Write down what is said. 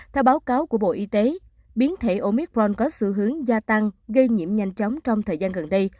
theo báo cáo của bộ y tế biến thể omicron có xu hướng gia tăng gây nhiễm nhanh chóng trong thời gian gần đây